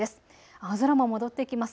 青空も戻ってきます。